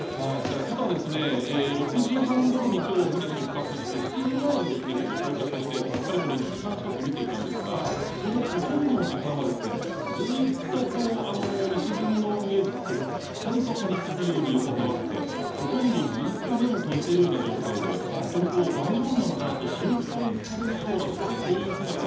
ただ、６時半ごろに今日、船出発して７時前にここに到着してかれこれ１時間近く見ていたんですがそのほとんどの時間はずっと石積みの上べったりと張りつくように横たわってほとんどずっと目も閉じているような状態で大丈夫なのかなと心配されるようなそういう姿。